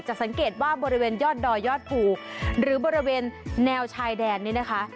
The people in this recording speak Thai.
สังเกตว่าบริเวณยอดดอยยอดภูหรือบริเวณแนวชายแดนนี้นะคะ